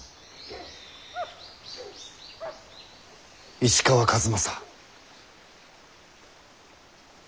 石川数正。